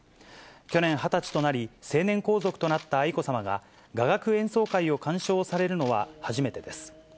去年、２０歳となり、成年皇族となった愛子さまが雅楽演奏会を鑑賞されるのは初めてです。